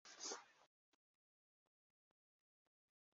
Evidentiĝis alie.